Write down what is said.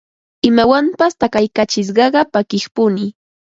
imawanpas takaykachisqaqa pakiqpuni